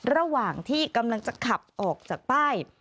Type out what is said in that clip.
ระหว่างที่กำลังจะขับออกจากป้าย